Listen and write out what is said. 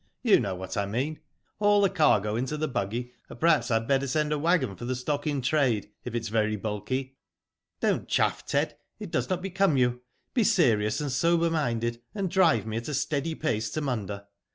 You know what I mean. Haul the cargo into the buggy, or perhaps I had better send a waggon for the stock in trade, if it is very bulky.'' "Don't chaff, Ted; it does not become you. Be serious and sober minded, and drive me at a steady pace to Munda.